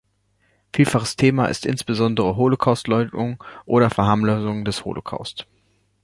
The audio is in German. Vielfaches Thema ist insbesondere Holocaustleugnung oder Verharmlosung des Holocaust.